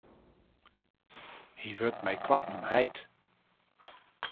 Hy wurdt mei koarten heit.